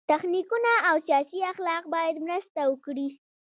تخنیکونه او سیاسي اخلاق باید مرسته وکړي.